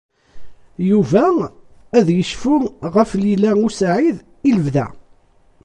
Yuba ad yecfu ɣef Lila u Saɛid i lebda.